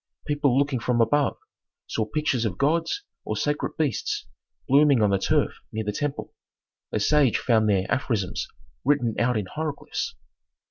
People looking from above saw pictures of gods or sacred beasts blooming on the turf near the temple; a sage found there aphorisms written out in hieroglyphs.